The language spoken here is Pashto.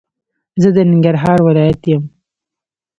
زه د ننګرهار ولايت يم